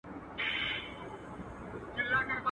خلکو ویل چي دا پردي دي له پردو راغلي.